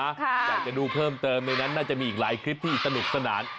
อยากจะดูเพิ่มเติมในนั้นน่าจะมีอีกหลายคลิปที่สนุกสนาน